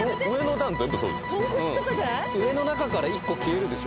上の中から１個消える。